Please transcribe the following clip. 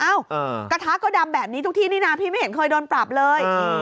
กระทะก็ดำแบบนี้ทุกที่นี่นะพี่ไม่เห็นเคยโดนปรับเลย